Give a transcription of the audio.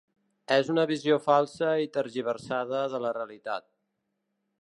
És una visió falsa i tergiversada de la realitat.